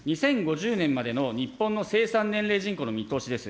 ２０５０年までの日本の生産年齢人口の見通しです。